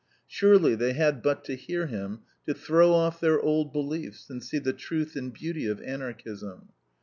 Surely they had but to hear him to throw off their old beliefs, and see the truth and beauty of Anarchism!